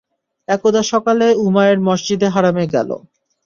একদা সকালে উমাইর মসজিদে হারামে গেল।